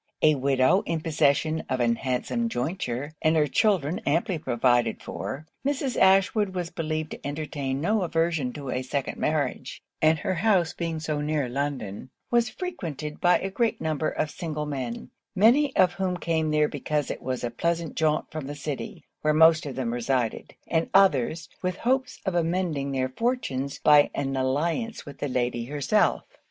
A widow, in possession of an handsome jointure, and her children amply provided for, Mrs. Ashwood was believed to entertain no aversion to a second marriage: and her house being so near London, was frequented by a great number of single men; many of whom came there because it was a pleasant jaunt from the city, where most of them resided; and others, with hopes of amending their fortunes by an alliance with the lady herself.